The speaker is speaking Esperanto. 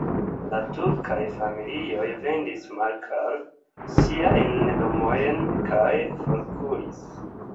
La turkaj familioj vendis malkare siajn domojn kaj forkuris.